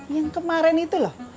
yang kemarin itu loh